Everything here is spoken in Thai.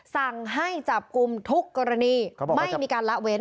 สั่งให้จับกลุ่มทุกกรณีไม่มีการละเว้น